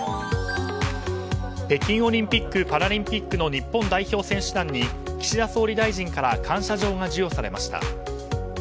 北京オリンピック・パラリンピック日本代表選手団に岸田総理大臣から感謝状が授与されました。